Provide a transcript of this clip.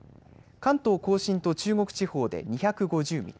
関東甲信と中国地方で２５０ミリ